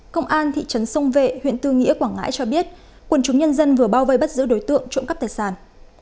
công an thị trấn sông vệ huyện tư nghĩa quảng ngãi cho biết quần chúng nhân dân vừa bao vây bắt giữ đối tượng trộm cắp tài sản